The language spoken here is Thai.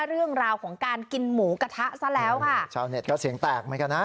เรื่องราวของการกินหมูกระทะซะแล้วค่ะชาวเน็ตก็เสียงแตกเหมือนกันนะ